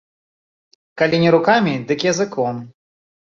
Калі не рукамі, дык языком.